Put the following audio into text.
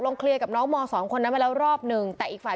เคลียร์กับน้องมสองคนนั้นมาแล้วรอบหนึ่งแต่อีกฝ่าย